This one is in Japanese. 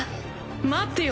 待ってよ